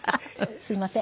すいません。